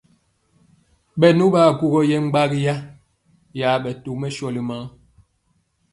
Bɛnu baguɔgo ye gbagi ya tɔmɛ shóli maa.